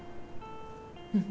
うん。